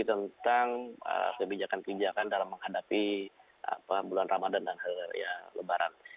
tentang kebijakan kebijakan dalam menghadapi bulan ramadan dan lebaran